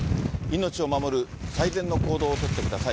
命を守る最善の行動を取ってください。